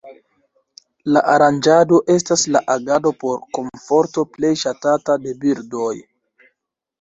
La Aranĝado estas la agado por komforto plej ŝatata de birdoj.